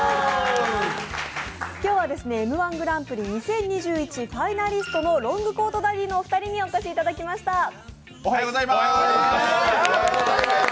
今日は「Ｍ−１グランプリ２０２１」ファイナリストのロングコードダディのお二人にお越しいただきました。